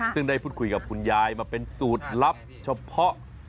ซึ่งได้พูดคุยกับคุณยายมาเป็นสูตรลับเฉพาะ